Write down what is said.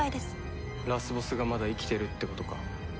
ラスボスがまだ生きてるってことか。